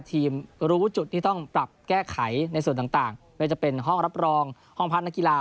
รู้จุดที่ต้องปรับแก้ไขในส่วนต่างไม่ว่าจะเป็นห้องรับรองห้องพักนักกีฬา